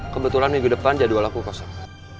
kebetulan minggu depan jadwal aku kosong